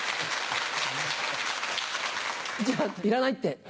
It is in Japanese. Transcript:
じゃあいらないって。